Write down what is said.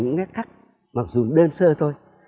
nóc chân kết hơi